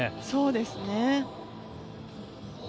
そうですね。